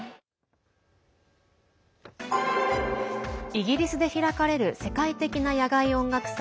イギリスで開かれる世界的な野外音楽祭